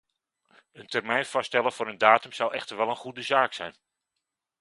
Een termijn vaststellen voor een datum zou echter wel een goede zaak zijn.